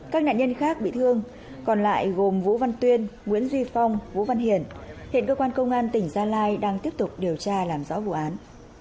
các nạn nhân khác bị thương còn lại gồm vũ văn tuyên nguyễn duy phong vũ văn hiển hiện cơ quan công an tỉnh gia lai đang tiếp tục điều tra làm rõ vụ án